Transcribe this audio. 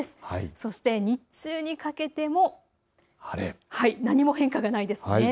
そして日中にかけても何も変化がありません。